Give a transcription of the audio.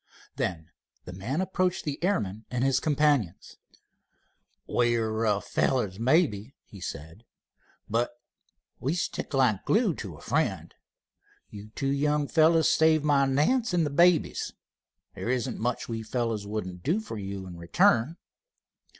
Then the man approached the airman and his companions. "We're rough fellows, maybe," he said, "but we stick like glue to a friend. You two young fellows saved my Nance and the babies. There isn't much we fellows wouldn't do for you in return."